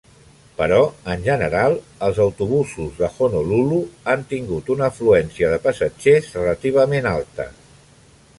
Però, en general, els autobusos de Honolulu han tingut una afluència de passatgers relativament alta.